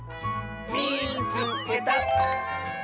「みいつけた！」。